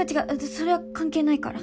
それは関係ないから。